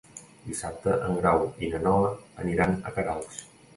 Dissabte en Grau i na Noa aniran a Queralbs.